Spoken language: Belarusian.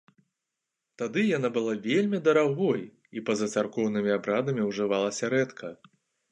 Тады яна была вельмі дарагой і па-за царкоўнымі абрадамі ўжывалася рэдка.